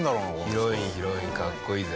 ヒロインヒロインかっこいいぜ。